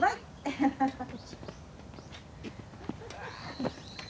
ハハハハハ。